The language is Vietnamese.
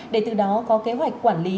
để từ đó có kế hoạch quản lý